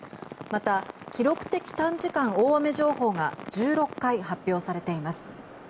また、記録的短時間大雨情報が１６回発表されています。